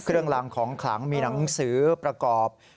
เครื่องรังของขลังมีหนังสือประกอบ